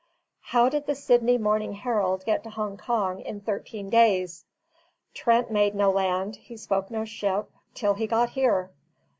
How did the Sydney Morning Herald get to Hong Kong in thirteen days? Trent made no land, he spoke no ship, till he got here.